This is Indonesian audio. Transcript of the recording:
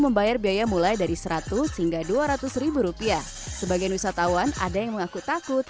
membayar biaya mulai dari seratus hingga dua ratus ribu rupiah sebagian wisatawan ada yang mengaku takut